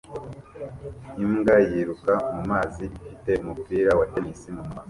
imbwa yiruka mumazi ifite umupira wa tennis mumunwa